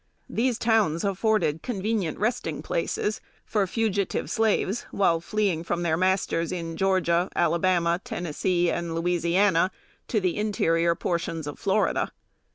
These towns afforded convenient resting places for fugitive slaves, while fleeing from their masters in Georgia, Alabama, Tennessee and Louisiana, to the interior portions of Florida.